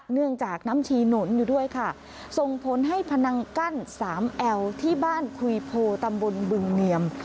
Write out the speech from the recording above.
เนื่องจากน้ำชีหนุนอยู่ด้วยค่ะส่งผลให้พนังกั้นสามแอลที่บ้านคุยโพตำบลบึงเนียม